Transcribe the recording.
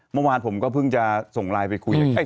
เมื่อวานผมก็เพิ่งจะส่งไลน์ไปคุยกับใคร